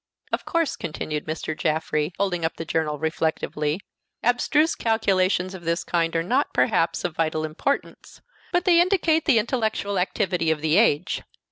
Of course," continued Mr. Jaffrey, folding up the journal reflectively, "abstruse calculations of this kind are not, perhaps, of vital importance, but they indicate the intellectual activity of the age.